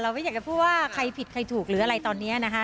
ไม่อยากจะพูดว่าใครผิดใครถูกหรืออะไรตอนนี้นะคะ